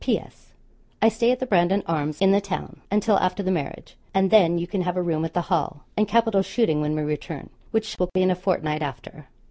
'P.S. I stay at the Brandon Arms in the town, until after the marriage; and then you can have a room at the Hall, and capital shooting when we return, which will be in a fortnight after.'